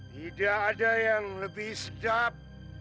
tidak ada yang lebih sedap